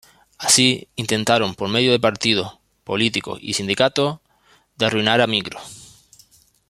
Así, intentaron por medio de partidos, políticos y sindicatos, de arruinar a Migros.